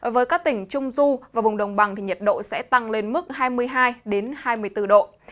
với các tỉnh trung du và vùng đồng bằng nhiệt độ sẽ tăng lên mức hai mươi hai hai mươi bốn độ